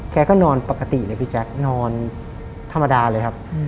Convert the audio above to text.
แกก็นอนปกติเลยพี่แจ๊คนอนธรรมดาเลยครับ